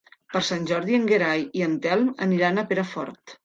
Per Sant Jordi en Gerai i en Telm aniran a Perafort.